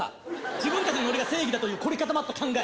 自分達のノリが正義だという凝り固まった考え。